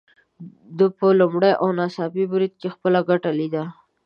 ده په لومړي او ناڅاپي بريد کې خپله ګټه ليده.